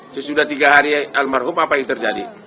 sesudah tiga hari almarhum apa yang terjadi